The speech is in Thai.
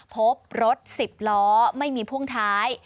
พบรถ๑๐ล้อไม่มีพ่วงท้าย